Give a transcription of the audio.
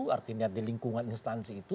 artinya di lingkungan instansi itu